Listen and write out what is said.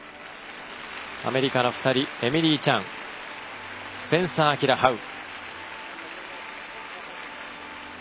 アメリカの２人エミリー・チャンスペンサーアキラ・ハウ。